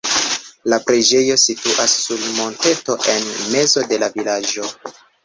La preĝejo situas sur monteto en mezo de la vilaĝo.